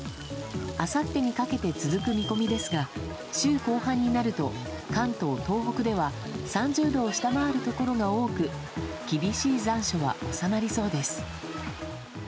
あさってにかけて続く見込みですが週後半になると関東・東北では３０度を下回るところが多く厳しい残暑は収まりそうです。